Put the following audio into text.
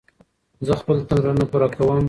زه خپل تمرینونه پوره کوم.